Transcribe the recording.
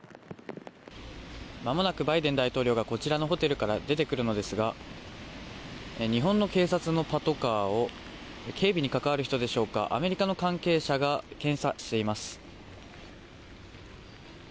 まもなくバイデン大統領がこちらのホテルから出てくるのですが日本の警察のパトカーを警備に関わる人でしょうかアメリカの関係者が検査しています。